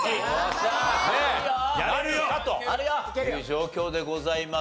ねえやれるかという状況でございます。